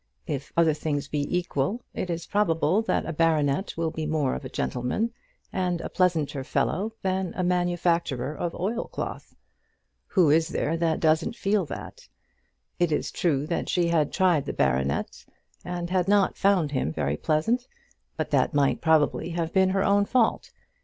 If other things be equal, it is probable that a baronet will be more of a gentleman and a pleasanter fellow than a manufacturer of oilcloth. Who is there that doesn't feel that? It is true that she had tried the baronet, and had not found him very pleasant, but that might probably have been her own fault.